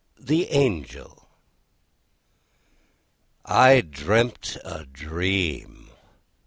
THE ANGEL I dreamt a dream!